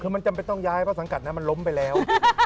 คือมันจำเป็นต้องย้ายเพราะสังกัดนั้นมันล้มไปแล้ว